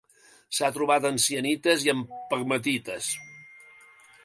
S'ha trobat en sienites i en pegmatites.